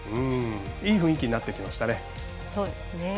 いい雰囲気になってきましたね。